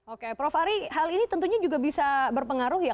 oke prof ari hal ini tentunya juga bisa berpengaruh ya